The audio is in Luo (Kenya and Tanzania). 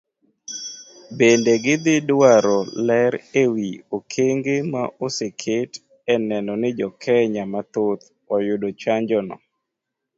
Bende gidhi dwaro ler ewi okenge ma oseket eneno ni jokenya mathoth oyudo chanjono.